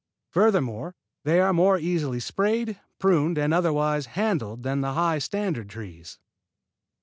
Furthermore, they are more easily sprayed, pruned, and otherwise handled than the high standard trees."